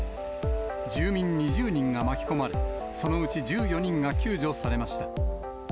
住民２０人が巻き込まれ、そのうち１４人が救助されました。